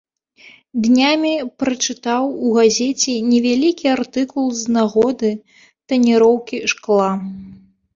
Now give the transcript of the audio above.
Днямі прачытаў у газеце невялікі артыкул з нагоды таніроўкі шкла.